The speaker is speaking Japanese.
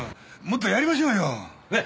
もっとやりましょうよ。ね？